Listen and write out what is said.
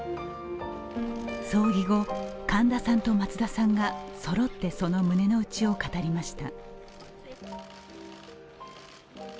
葬儀後、神田さんと松田さんがそろって、その胸のうちを語りました。